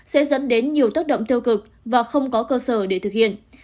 sẽ dẫn đến nhiều tác động tiêu cực và không có cơ sở để thực hiện